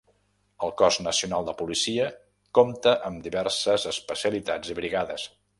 El Cos Nacional de Policia compta amb diverses especialitats i brigades.